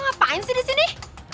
ngapain sih di sini